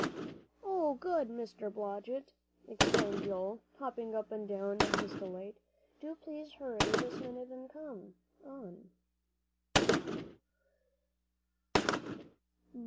"Oh, good! Mr. Blodgett," exclaimed Joel, hopping up and down in his delight. "Do please hurry this minute and come on."